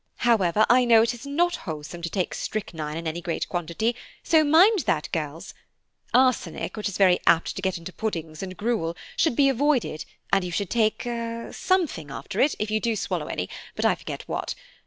However, I know it is not wholesome to take strychnine in any great quantity, so mind that, girls; arsenic, which is very apt to get into puddings and gruel, should be avoided, and you should take something after it, if you do swallow any–but I forget what.